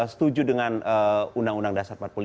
setuju dengan undang undang dasar